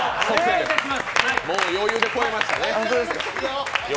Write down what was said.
もう余裕で超えましたね。